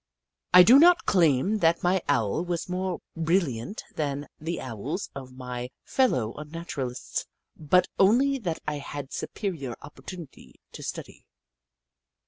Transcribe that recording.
I do not claim that my Owl was more brilliant than the Owls of my fellow Unnaturalists, but only that I had superior opportunities to study.